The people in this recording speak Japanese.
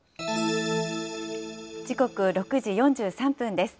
時刻６時４３分です。